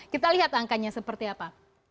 kita lihat angkanya seperti apa